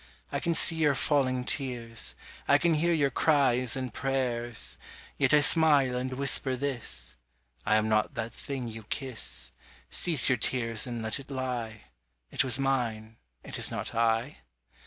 I can see your falling tears, I can hear your cries and prayers, Yet I smile and whisper this: "I am not that thing you kiss; Cease your tears and let it lie: It was mine, it is not I."